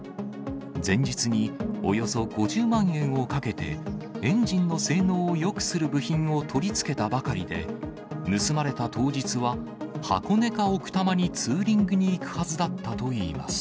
前日におよそ５０万円をかけて、エンジンの性能をよくする部品を取り付けたばかりで、盗まれた当日は、箱根か奥多摩にツーリングに行くはずだったといいます。